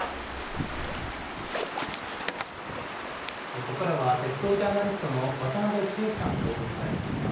ここからは鉄道ジャーナリストの渡部史絵さんとお伝えしていきます。